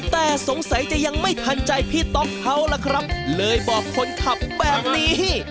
แต่สงสัยจะยังไม่ทันใจพี่ต๊อกเขาล่ะครับเลยบอกคนขับแบบนี้